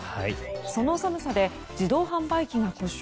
その寒さで自動販売機が故障。